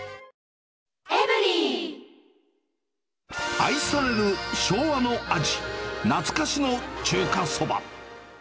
愛される昭和の味、なつかしの中華そば。